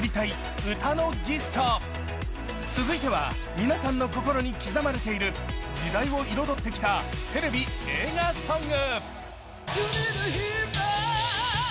皆さんの心に刻まれている時代を彩ってきたテレビ・映画ソング。